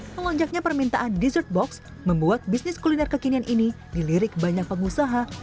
melonjaknya permintaan dessert box membuat bisnis kuliner kekinian ini dilirik banyak pengusaha